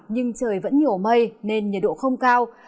nhưng trời vẫn nhiều mây nên nhiệt độ không cao